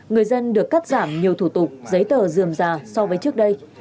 người dân được cắt giảm nhiều thủ tục giấy tờ dườm già so với trước đây